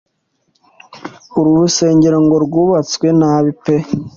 Uru rusengero ngo rwubatswe nabi pe